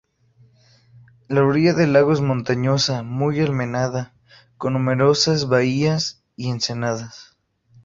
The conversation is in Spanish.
La orilla del lago es montañosa, muy almenada, con numerosas bahías y ensenadas.